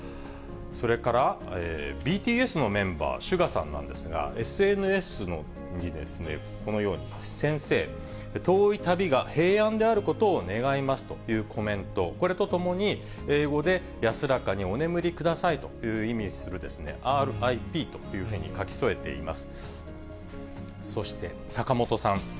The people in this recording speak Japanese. それからＢＴＳのメンバー、ＳＵＧＡさんなんですが、ＳＮＳにこのように、先生、遠い旅が平安であることを願いますというコメント、これとともに、英語で安らかにお眠りくださいと意味するＲ．Ｉ．Ｐと書き添えています。